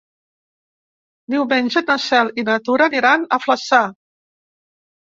Diumenge na Cel i na Tura aniran a Flaçà.